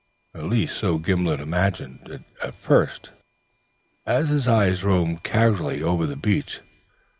At least so Gimblet imagined it at first, as his eye roved casually over the beach.